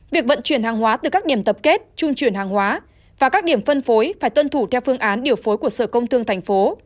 việc vận chuyển hàng hóa từ các điểm tập kết trung chuyển hàng hóa và các điểm phân phối phải tuân thủ theo phương án điều phối của sở công thương thành phố